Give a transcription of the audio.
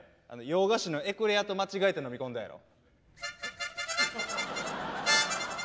洋菓子のエクレアと間違って飲み込んだやろ？